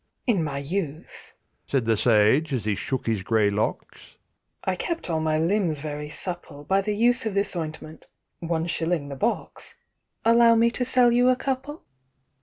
"In my youth," said the sage, as he shook his grey locks, "I kept all my limbs very supple By the use of this ointment—one shilling the box— Allow me to sell you a couple?"